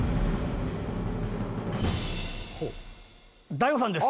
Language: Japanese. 大悟さんです。